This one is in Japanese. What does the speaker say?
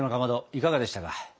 いかがでしたか？